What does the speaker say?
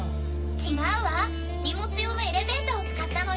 違うわ荷物用のエレベーターを使ったのよ。